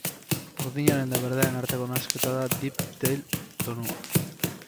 Urdinaren eta berdearen arteko nahasketa da deep teal tonua.